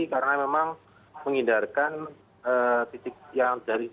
karena memang menghindarkan titik yang